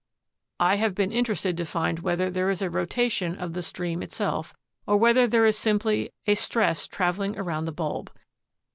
"I have been interested to find whether there is a rotation of the stream itself, or whether there is simply a stress traveling around the bulb.